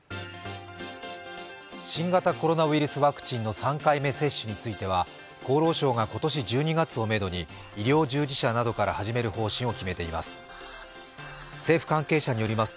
新型コロナウイルスワクチンの３回目の接種については厚労省が今年１２月をめどに医療従事者などから始める方針を決めています。